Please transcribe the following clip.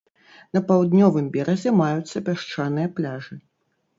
На паўднёвым беразе маюцца пясчаныя пляжы.